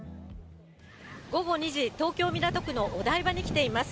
午後２時、東京・港区のお台場に来ています。